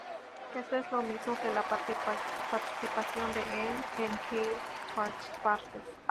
Esto es lo mismo que la partición de "n" en "k" partes.